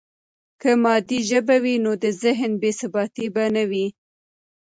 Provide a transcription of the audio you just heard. که مادي ژبه وي، نو د ذهن بې ثباتي به نه وي.